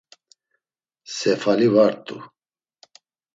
Sefali va rt̆u.